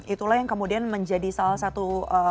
itulah yang kemudian menjadi salah satu